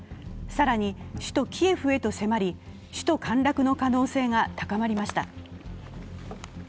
更に、首都キエフへと迫り、首都陥落の可能性が高まりました。